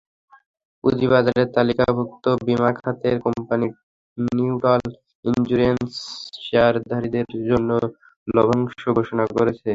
পুঁজিবাজারে তালিকাভুক্ত বিমা খাতের কোম্পানি নিটল ইনস্যুরেন্স শেয়ারধারীদের জন্য লভ্যাংশ ঘোষণা করেছে।